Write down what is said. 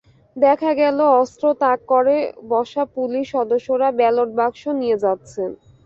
দেখা গেল, অস্ত্র তাক করে বসা পুলিশের সদস্যরা ব্যালট বাক্স নিয়ে যাচ্ছেন।